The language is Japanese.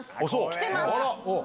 来てます。